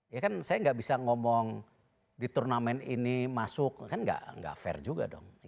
ya kan saya nggak bisa ngomong di turnamen ini masuk kan nggak fair juga dong